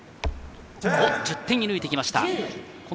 １０点、射抜いてきました。